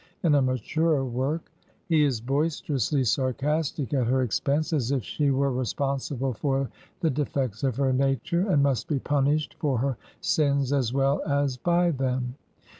in a maturer work. He is boisterously sarcastic at her expense, as if she were responsible for the defects of her nature, and must be punished for her sins as well as by them.